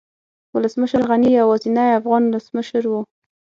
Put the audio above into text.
ولسمشر غني يوازينی افغان ولسمشر و